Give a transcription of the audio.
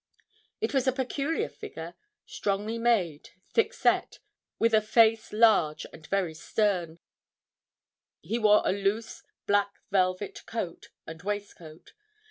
It was a peculiar figure, strongly made, thick set, with a face large, and very stern; he wore a loose, black velvet coat and waistcoat.